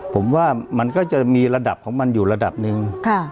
ผมว่ามันก็จะมีระดับของมันอยู่ระดับหนึ่ง